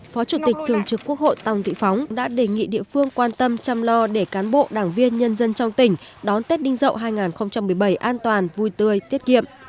phó chủ tịch thường trực quốc hội tòng thị phóng đã đề nghị địa phương quan tâm chăm lo để cán bộ đảng viên nhân dân trong tỉnh đón tết đinh dậu hai nghìn một mươi bảy an toàn vui tươi tiết kiệm